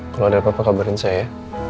kalau ada apa apa kabarin saya